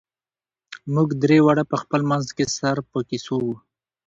موږ درې واړه په خپل منځ کې سره په کیسو وو.